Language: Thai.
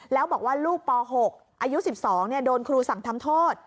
แล้วบอกว่าลูกป๖อายุ๑๒โดนครูสั่งทำโทษ